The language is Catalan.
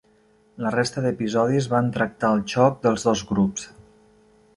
La resta d'episodis van tractar el xoc dels dos grups.